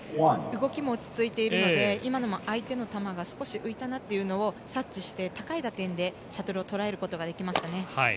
動きも落ち着いているので今のも相手の球が少し浮いたなというのを察知して高い打点でシャトルを捉えることができましたね。